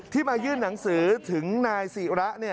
มายื่นหนังสือถึงนายศิระ